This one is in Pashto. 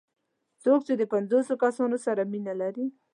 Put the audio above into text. څوک چې د پنځوسو کسانو سره مینه لري.